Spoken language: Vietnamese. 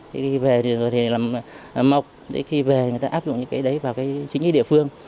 khi về thì làm mọc khi về thì người ta áp dụng những cái đấy vào chính cái địa phương